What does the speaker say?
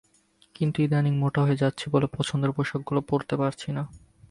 কিন্তু ইদানীং মোটা হয়ে যাচ্ছি বলে পছন্দের পোশাকগুলো পরতে পারছি না।